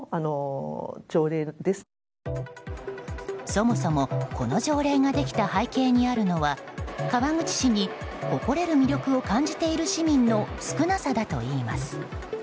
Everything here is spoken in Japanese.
そもそも、この条例ができた背景にあるのは川口市に誇れる魅力を感じている市民の少なさだといいます。